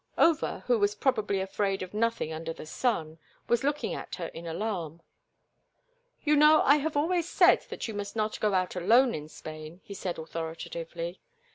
Over, who was probably afraid of nothing under the sun, was looking at her in alarm. "You know I have always said that you must not go out alone in Spain," he said, authoritatively.